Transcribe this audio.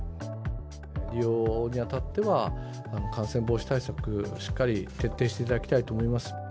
利用にあたっては、感染防止対策、しっかり徹底していただきたいと思います。